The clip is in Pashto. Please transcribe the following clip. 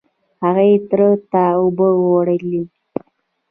هغې تره ته اوبه وړلې.